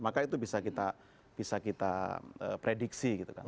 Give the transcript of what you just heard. maka itu bisa kita prediksi gitu kan